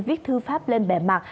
viết thư pháp lên bề mặt